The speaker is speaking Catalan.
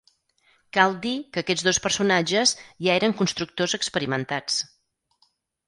Cal dir que aquests dos personatges ja eren constructors experimentats.